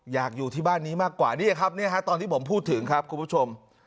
อยากอยู่ที่บ้านนี้มากกว่านี่ครับตอนที่ผมพูดถึงครับคุณผู้ชม